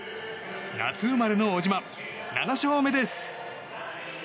夏生まれの小島、７勝目です！